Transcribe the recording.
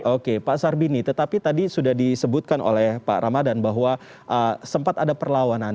oke pak sarbini tetapi tadi sudah disebutkan oleh pak ramadan bahwa sempat ada perlawanan